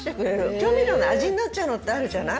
調味料の味になっちゃうのってあるじゃない？